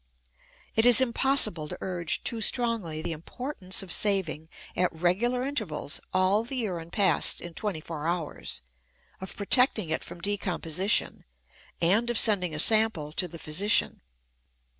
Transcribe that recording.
It is impossible to urge too strongly the importance of saving, at regular intervals, all the urine passed in twenty four hours, of protecting it from decomposition, and of sending a sample to the physician.